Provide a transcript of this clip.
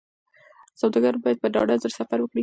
سوداګر باید په ډاډه زړه سفر وکړي.